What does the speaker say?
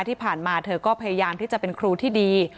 ที่ผ่านมาเธอก็พยายามที่จะเป็นครูที่ดี